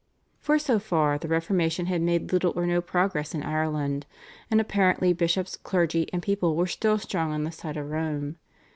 For so far the Reformation had made little or no progress in Ireland, and apparently bishops, clergy and people were still strong on the side of Rome.